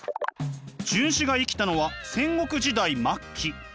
荀子が生きたのは戦国時代末期。